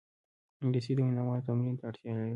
انګلیسي د ویناوالو تمرین ته اړتیا لري